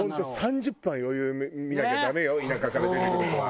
３０分は余裕見なきゃダメよ田舎から出てくる子は。